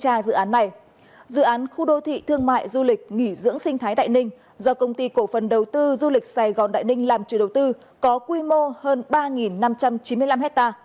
thông tin ban đầu cho biết ông ánh có liên quan tới xe phạm xảy ra tại dự án xây dựng khu đô thị thương mại du lịch nghỉ dưỡng sinh thái đại ninh do công ty cổ phần đầu tư du lịch sài gòn đại ninh làm chủ đầu tư khi tiến hành thanh tra dự án này